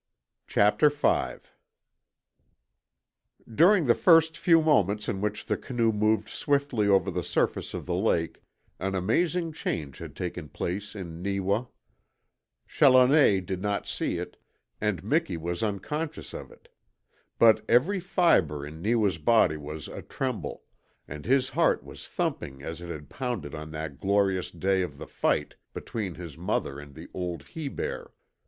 CHAPTER FIVE During the first few moments in which the canoe moved swiftly over the surface of the lake an amazing change had taken place in Neewa. Challoner did not see it, and Miki was unconscious of it. But every fibre in Neewa's body was atremble, and his heart was thumping as it had pounded on that glorious day of the fight between his mother and the old he bear.